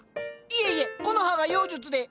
いえいえコノハが妖術で。